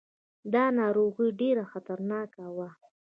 دا ناروغي ډېره خطرناکه وه.